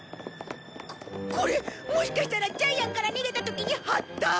ここれもしかしたらジャイアンから逃げた時に貼った。